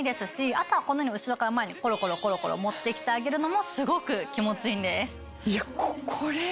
あとはこのように後ろから前にコロコロ持ってきてあげるのもすごく気持ちいいんです。